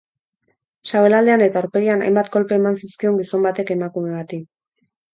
Sabelaldean eta aurpegian hainbat kolpe eman zizkion gizon batek emakume bati.